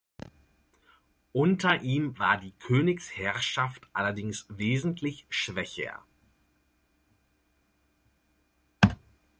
Unter ihm war die Königsherrschaft allerdings wesentlich schwächer.